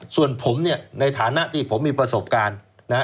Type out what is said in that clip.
ส่วนผมในฐานะที่ผมมีประสบการณ์